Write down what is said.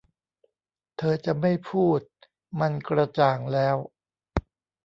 เธอจะไม่พูด มันกระจ่างแล้ว